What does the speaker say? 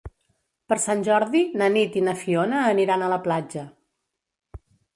Per Sant Jordi na Nit i na Fiona aniran a la platja.